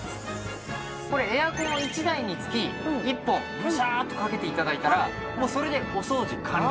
これエアコン１台につき１本ブシャーッとかけて頂いたらもうそれでお掃除完了。